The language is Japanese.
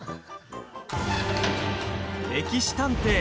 「歴史探偵」